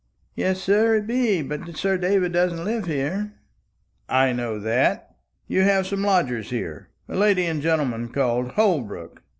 "Yes, sir, it be; but Sir David doesn't live here." "I know that. You have some lodgers here a lady and gentleman called Holbrook."